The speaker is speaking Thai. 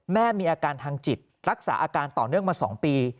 แม่มีอาการทางจิตรักษาอาการต่อเนื่องมา๒ปี